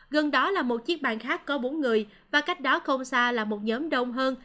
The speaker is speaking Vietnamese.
gần đó là một chiếc bàn khác có bốn người và cách đó không xa là một nhóm đông hơn